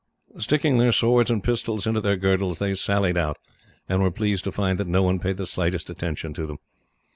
Sticking their swords and pistols into their girdles, they sallied out, and were pleased to find that no one paid the slightest attention to them.